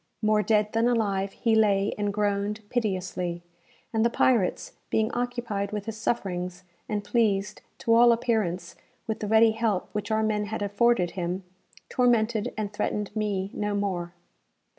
More dead than alive, he lay and groaned piteously, and the pirates, being occupied with his sufferings, and pleased, to all appearance, with the ready help which our men had afforded him, tormented and threatened me no more.